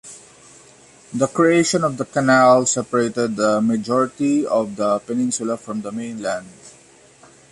The creation of the canal separated the majority of the peninsula from the mainland.